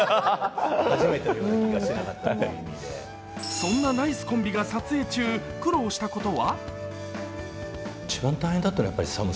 そんなナイスコンビが撮影中、苦労したことは？